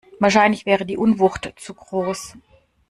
Wahrscheinlich wäre die Unwucht zu groß.